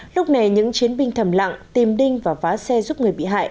lúc này những chiến binh thầm lặng tìm đinh và vá xe giúp người bị hại